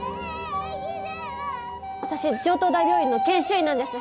私城東大病院の研修医なんです。